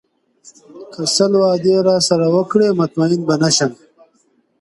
کۀ ســـــــل وعـــــدې راســـــــره اوکړي مطئين بــــه نـۀ شـم